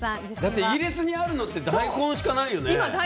だってイギリスにあるのって大根しかないよね？